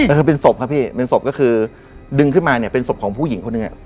ก็คือเป็นศพครับพี่เป็นศพก็คือดึงขึ้นมาเนี่ยเป็นศพของผู้หญิงคนหนึ่ง